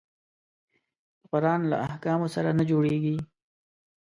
د قرآن له احکامو سره نه جوړیږي.